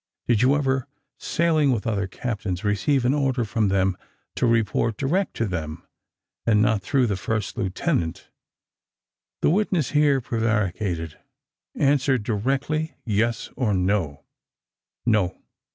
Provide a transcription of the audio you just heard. "Did you ever, sailing with other captains, receive an order from them, to report direct to them, and not through the first lieutenant?" The witness here prevaricated. "Answer directly, yes or no." "No."